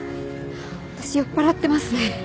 私酔っぱらってますね。